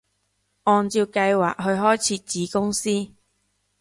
按照計劃去開設子公司